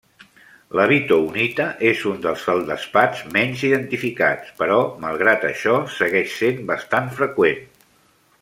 La bytownita és un dels feldespats menys identificats, però malgrat això, segueix sent bastant freqüent.